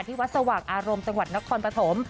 วัดสว่างอารมณ์จังหวัดนครปฐม